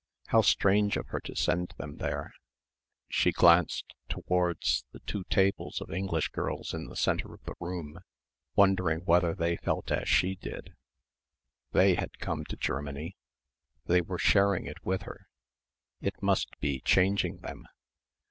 How strange of her to send them there.... She glanced towards the two tables of English girls in the centre of the room wondering whether they felt as she did.... They had come to Germany. They were sharing it with her. It must be changing them.